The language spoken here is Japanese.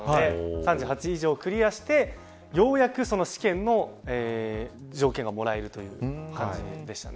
３８以上をクリアしてようやく試験の条件がもらえるという感じでしたね。